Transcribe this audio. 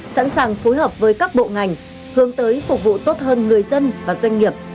sẵn sàng phối hợp với các bộ ngành hướng tới phục vụ tốt hơn người dân và doanh nghiệp